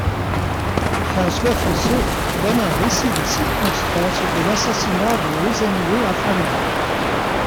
François Fosso donne un récit des circonstances de l’assassinat de Osendé Afana.